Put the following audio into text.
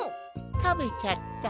たべちゃった。